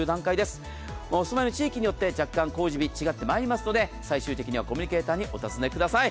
お住まいの地域によって若干の工事日違ってまいりますのでコミュニケーターにお尋ねください。